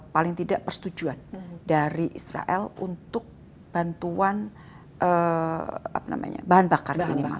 paling tidak persetujuan dari israel untuk bantuan bahan bakar